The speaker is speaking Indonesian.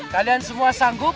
kalian semua sanggup